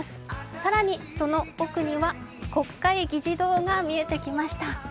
更にその奥には国会議事堂が見えてきました。